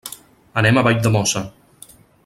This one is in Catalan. Anem a Valldemossa.